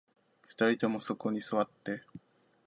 二人ともそこに座って